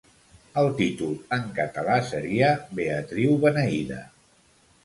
El títol en català seria 'Beatriu Beneïda'.